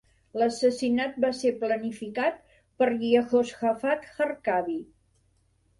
L'assassinat va ser planificat per Yehoshafat Harkabi.